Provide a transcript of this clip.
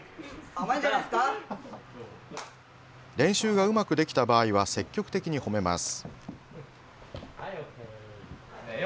練習がうまくできた場合は積極的に褒めます。